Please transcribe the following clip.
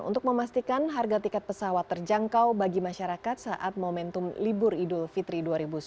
untuk memastikan harga tiket pesawat terjangkau bagi masyarakat saat momentum libur idul fitri dua ribu sembilan belas